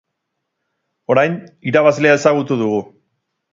Orain, irabazlea ezagutu dugu.